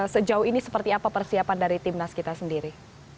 sejauh ini seperti apa persiapan dari timnas kita sendiri